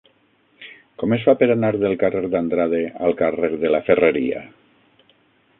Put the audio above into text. Com es fa per anar del carrer d'Andrade al carrer de la Ferreria?